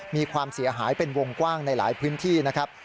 มีความเสียหายเป็นวงกว้างในหลายพื้นที่นะครับ